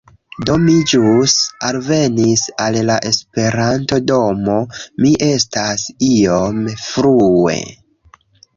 Do, mi ĵus alvenis al la Esperanto-domo mi estas iom frue